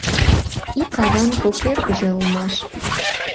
Ик аван кок эргыже улмаш.